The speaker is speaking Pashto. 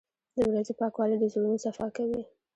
• د ورځې پاکوالی د زړونو صفا کوي.